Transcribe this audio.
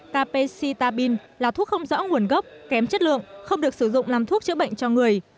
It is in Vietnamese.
tapecitabin là thuốc không rõ nguồn gốc kém chất lượng không được sử dụng làm thuốc chữa bệnh cho người